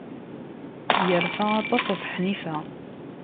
Yerfa aṭas ɣef Ḥnifa.